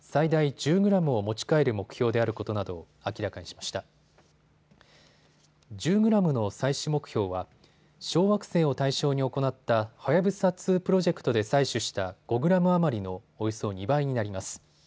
１０グラムの採取目標は小惑星を対象に行ったはやぶさ２プロジェクトで採取した５グラム余りのおよそ２倍になります。